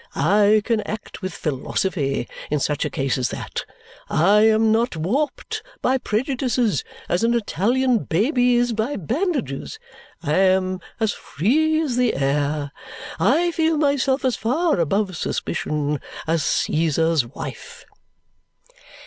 I can act with philosophy in such a case as that. I am not warped by prejudices, as an Italian baby is by bandages. I am as free as the air. I feel myself as far above suspicion as Caesar's wife."